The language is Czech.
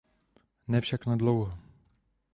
Ne však na dlouho.